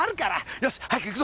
よし早く行くぞ。